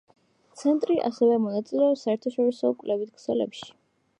ცენტრი ასევე მონაწილეობს საერთაშორისო კვლევით ქსელებში.